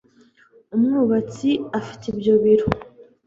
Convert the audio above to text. Umwubatsi afite ibyo biro